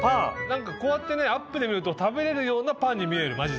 何かこうやってアップで見ると食べれるようなパンに見えるマジで。